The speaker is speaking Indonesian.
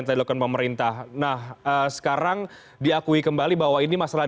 yang dilakukan pemerintah nah sekarang diakui kembali bahwa ini masalah